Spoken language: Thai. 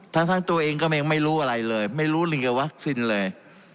ดั่งตัวเองกลับไปไม่รู้อะไรเลยไม่รู้เรียนวัคซีนเลย